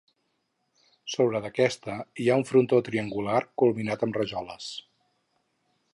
Sobre d’aquesta hi ha un frontó triangular culminat amb rajoles.